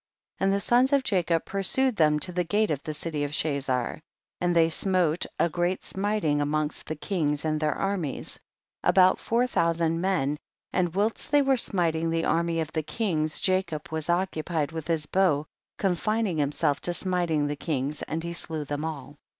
5. And the sons of Jacob pursued them to the gate of the city of Cha zar, and they smote a great smiting amongst the kings and their armies, about four thousand men, and whilst they were smiting the army of the kings Jacob was occupied with his bow confining himself to smiting the kings, and he slew them all.